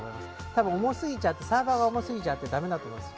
多分、サーバーが重すぎちゃってダメなんだと思います。